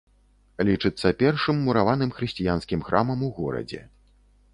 Лічыцца першым мураваным хрысціянскім храмам у горадзе.